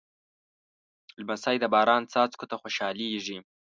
لمسی د باران څاڅکو ته خوشحالېږي.